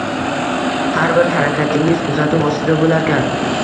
Har bir harakatingiz kuzatuv ostida bo'larkan